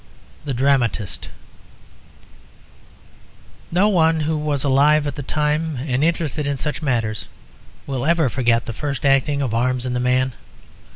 The Dramatist No one who was alive at the time and interested in such matters will ever forget the first acting of Arms and the Man.